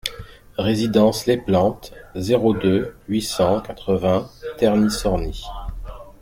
Résidence Les Plantes, zéro deux, huit cent quatre-vingts Terny-Sorny